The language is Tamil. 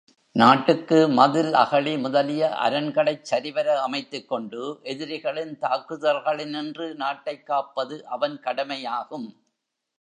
நாட்டுக்கு மதில், அகழி முதலிய அரண்களைச் சரிவர அமைத்துக் கொண்டு எதிரிகளின் தாக்குதல்களினின்று நாட்டைக் காப்பது அவன் கடமையாகும்.